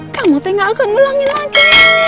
kamu udah gak akan ulangin lagi